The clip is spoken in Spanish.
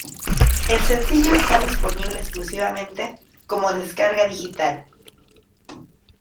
El sencillo está disponible exclusivamente como descarga digital.